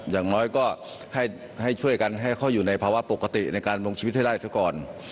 อย่างน้อยก็ให้ช่วยกันให้เขาอยู่ในภาวะปกติในการลงชีวิตให้ได้ซะก่อน